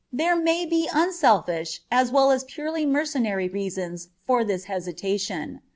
There may be unselfish as well as purely mercenary reasons for this hesitation.